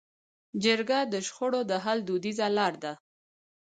جرګه د شخړو د حل دودیزه لار ده.